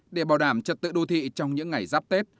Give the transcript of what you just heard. để bảo đảm trật tự đô thị trong những ngày giáp tết